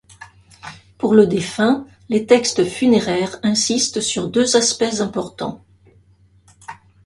Pour le défunt, les textes funéraires insistent sur deux aspects importants.